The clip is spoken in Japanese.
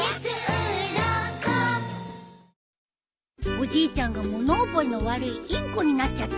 おじいちゃんが物覚えの悪いインコになっちゃった。